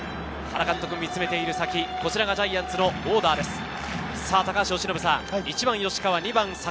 原監督が見つめている先、こちらがジャイアンツのオーダーです。